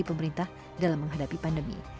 pemerintah dalam menghadapi pandemi